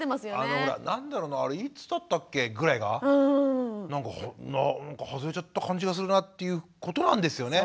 あのほら何だろないつだったっけ？ぐらいがなんか外れちゃった感じがするなっていうことなんですよね。